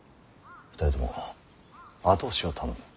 ２人とも後押しを頼む。